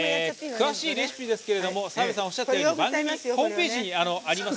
詳しいレシピですけども澤部さんがおっしゃったように番組ホームページにあります